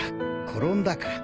転んだか。